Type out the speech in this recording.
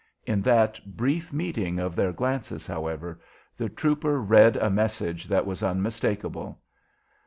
In that brief meeting of their glances, however, the trooper read a message that was unmistakable.